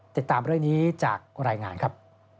ติดตามเรื่องนี้จากรายงานครับ